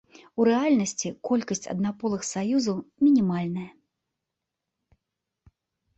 У рэальнасці колькасць аднаполых саюзаў мінімальная.